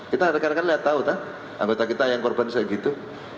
kita harganya kan lihat tahu kan anggota kita yang korban segitu